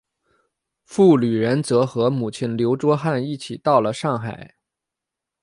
傅履仁则和母亲刘倬汉一起到了上海。